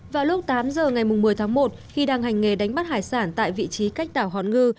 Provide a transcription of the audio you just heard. vào lúc tám giờ ngày một mươi tháng một khi đang hành nghề đánh bắt hải sản tại vị trí cách đảo hòn ngư